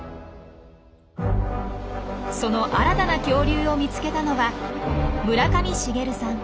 その新たな恐竜を見つけたのは村上茂さん。